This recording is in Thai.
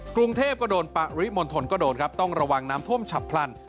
กรุงเทพก็โดนปริมณฑลก็โดนครับต้องระวังน้ำท่วมฉับพลัน